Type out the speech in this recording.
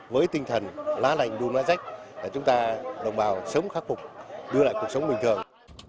với tinh thần lá lành đùm lá rách để chúng ta đồng bào sớm khắc phục đưa lại cuộc sống bình thường